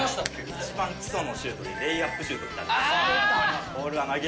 一番基礎のシュートで、レイアップシュートってあるじゃないですか。